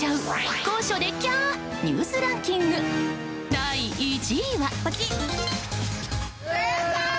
第１位は。